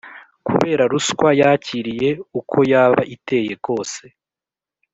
kubera ruswa yakiriye uko yaba iteye kose,